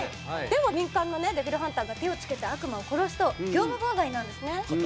でも民間のねデビルハンターが手を付けた悪魔を殺すと業務妨害なんですね。